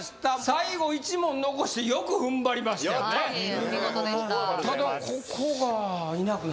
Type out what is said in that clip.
最後１問残してよくふんばりましたよねやった！